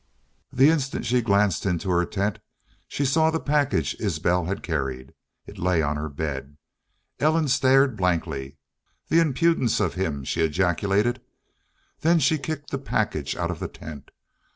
The instant she glanced into her tent she saw the package Isbel had carried. It lay on her bed. Ellen stared blankly. "The the impudence of him!" she ejaculated. Then she kicked the package out of the tent.